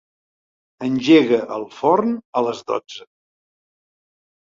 Engega el forn a les dotze.